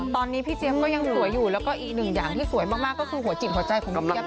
ตอนนี้พี่เจี๊ยบก็ยังสวยอยู่แล้วก็อีกหนึ่งอย่างที่สวยมากก็คือหัวจิตหัวใจของพี่เจี๊ย